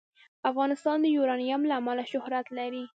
افغانستان د یورانیم له امله شهرت لري.